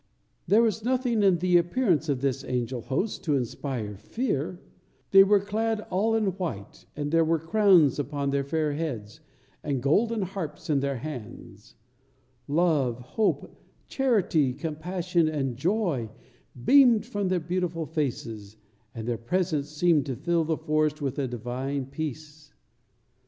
There was nothing in the appearance of this angel host to inspire fear; they were clad all in white, and there were crowns upon their fair heads, and golden harps in their hands; love, hope, charity, compassion, and joy beamed from their beautiful faces, and their presence seemed to fill the forest with a divine peace.